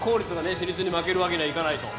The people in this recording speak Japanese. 私立に負けるわけにはいかないと。